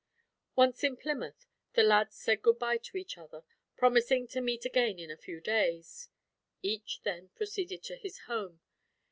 Once in Plymouth, the lads said goodbye to each other, promising to meet again in a few days. Each then proceeded to his home.